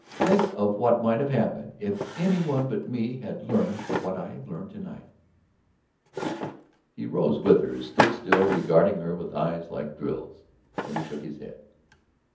Think of what might have happened. If any one but me had learned what I have learned to night." He rose with her, stood still, regarding her with eyes like drills. Then he shook his head.